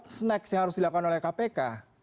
dan apa what's next yang harus dilakukan oleh kpk